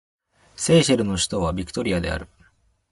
セーシェルの首都はビクトリアである